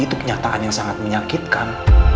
itu kenyataan yang sangat menyakitkan